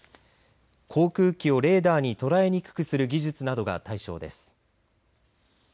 航空機をレーダーに捉えにくくする技術などが対象です。